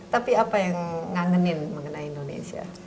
tapi apa yang ngangenin mengenai indonesia